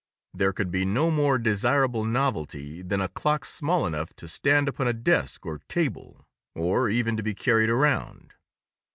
There could be no more desirable novelty than a clock small enough to stand upon a desk or table, or even to be carried around.